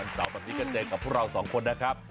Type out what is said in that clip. อันดับตรงนี้กันใหญ่กับเราสองคนนะครับ